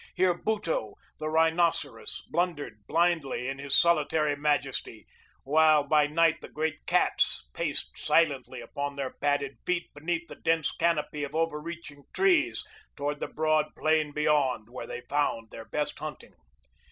Here Buto, the rhinoceros, blundered blindly in his solitary majesty, while by night the great cats paced silently upon their padded feet beneath the dense canopy of overreaching trees toward the broad plain beyond, where they found their best hunting.